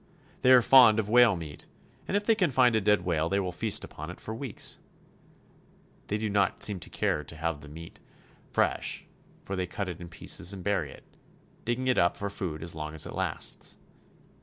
They are fond of whale meat, and if they can find a dead whale they will feast upon it for weeks. They do not seem to care to have the meat 156 CHILE. fresh, for they cut it in pieces and bury it, digging it up for food as long as it lasts.